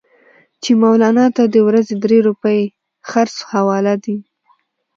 چې مولنا ته د ورځې درې روپۍ خرڅ حواله دي.